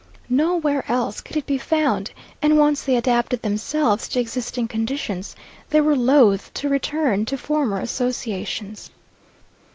Nowhere else could it be found, and once they adapted themselves to existing conditions, they were loath to return to former associations.